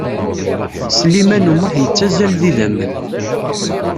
Sliman U Muḥ yettazzal d idamen.